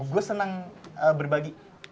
gue seneng berbagi